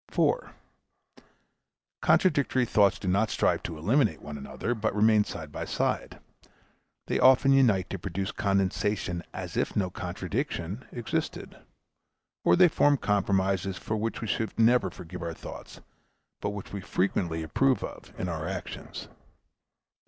4. Contradictory thoughts do not strive to eliminate one another, but remain side by side. They often unite to produce condensation as if no contradiction existed, or they form compromises for which we should never forgive our thoughts, but which we frequently approve of in our actions.